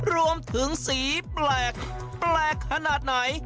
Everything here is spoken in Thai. รวมถึงสีแปลกแปลกขนาดไหน